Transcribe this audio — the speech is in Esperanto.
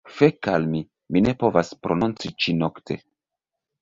Fek al mi, mi ne povas prononci ĉi-nokte!